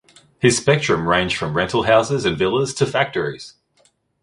His spectrum ranged from rental houses and villas to factories.